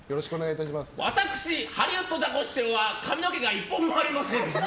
私ハリウッドザコシシショウは髪の毛が１本もありません。